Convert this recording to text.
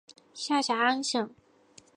下辖安省。